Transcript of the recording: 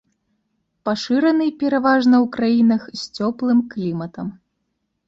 Пашыраны пераважна ў краінах з цёплым кліматам.